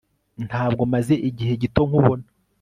ntabwo maze igihe gito nkubona